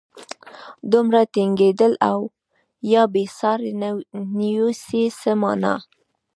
دومره ټینګېدل او یا بېسیار نویسي څه مانا.